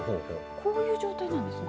こういう状態なんですか。